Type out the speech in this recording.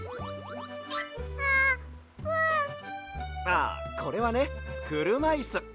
ああこれはねくるまいす。